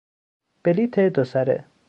بلیت دو سره